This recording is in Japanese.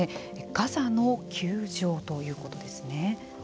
ガザの窮状ということですね。